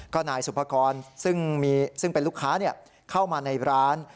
ก็นายสุภกรซึ่งเป็นลูกค้าเข้ามาในร้าน